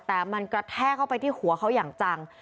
แต่มันกระแทกเข้าไปที่หัวเขาอย่างจัง